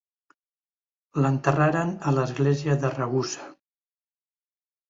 L'enterraren a l'església de Ragusa.